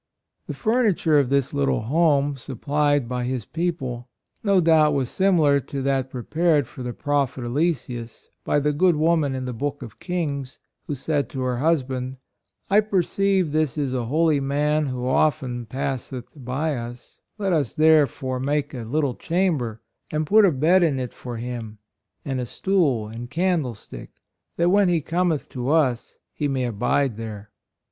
The furniture of this "little home," supplied by his people, no doubt was similar to that prepared for the prophet Eliseus, by the good woman in the Book of Kings, who HIS ESTATE. 53 said to lier husband, " I perceive this is a holy man who often pass eth by us, let us therefore make a little chamber and put a bed in it for him, and a stool and candle stick, that when he cometh to us, he may abide there."